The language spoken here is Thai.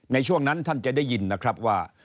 ในช่วงนั้นท่านจะได้ยินนะครับว่า